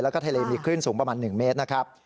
และไทรเลมนียูนสูงประมาณ๑เมตร